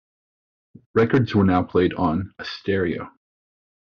Records were now played on "a stereo".